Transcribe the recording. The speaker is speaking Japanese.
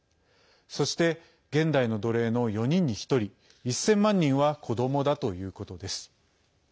そして、現代の奴隷の４人に１人、１０００万人は子どもだということです。